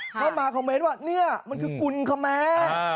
ก็มาคอมเมนต์ว่านี่มันคือกุ้นค่ะแม่